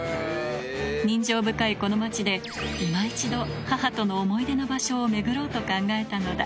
人情深いこの街で、いま一度、母との思い出の場所を巡ろうと考えたのだ。